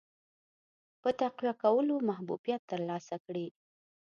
په تقویه کولو محبوبیت ترلاسه کړي.